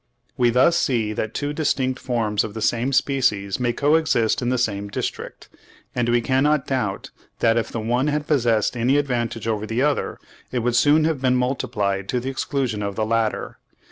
We thus see that two distinct forms of the same species may co exist in the same district, and we cannot doubt that if the one had possessed any advantage over the other, it would soon have been multiplied to the exclusion of the latter.